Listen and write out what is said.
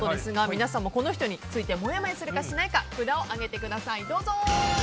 皆さんもこの人についてもやもやするかしないか札を上げてください、どうぞ。